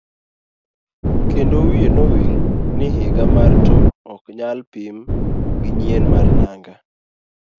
Kendo wiye nowil ni higa mar to ok nyal pim gi nyien mar nanga.